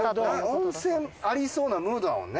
温泉ありそうなムードだもんね。